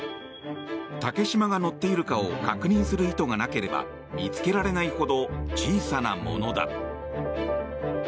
竹島が載っているかを確認する意図がなければ見つけられないほど小さなものだ。